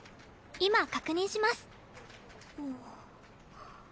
今確認します。